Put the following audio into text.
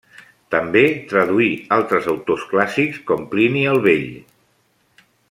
També traduí altres autors clàssics com Plini el Vell.